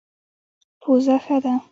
پوزه ښه ده.